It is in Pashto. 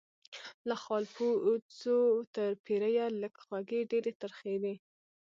له خالپوڅو تر پیریه لږ خوږې ډیري ترخې دي